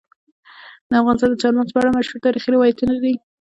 افغانستان د چار مغز په اړه مشهور تاریخی روایتونه لري.